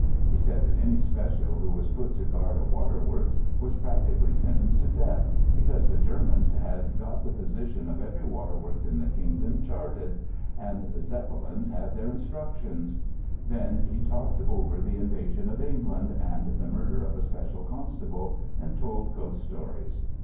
He said that any special who was put to guard a waterworks was practically sentenced to death, because the Germans had got the position of every waterworks in the kingdom charted, and the Zeppelins had their instructions. Then he talked over the invasion of England, and the murder of a special constable, and told ghost stories.